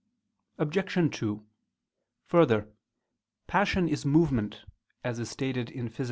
Obj. 2: Further, passion is movement, as is stated in _Phys.